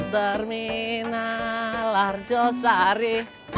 terminal arjo sari